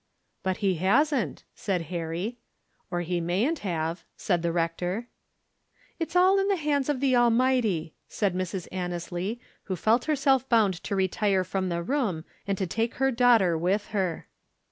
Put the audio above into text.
"But he hasn't," said Harry. "Or he mayn't have," said the rector. "It's all in the hands of the Almighty," said Mrs. Annesley, who felt herself bound to retire from the room and to take her daughter with her.